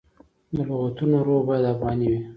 د لغتونو روح باید افغاني وي.